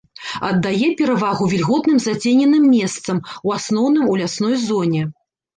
Аддае перавагу вільготным зацененым месцам, у асноўным у лясной зоне.